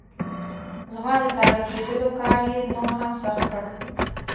زما د څارل کېدلو کار یې نور هم سخت کړ.